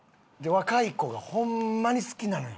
若い子がホンマに好きなのよ。